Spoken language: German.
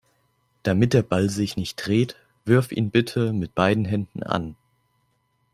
Damit der Ball sich nicht dreht, wirf ihn bitte mit beiden Händen an.